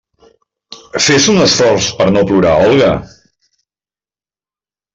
Fes un esforç per no plorar, Olga!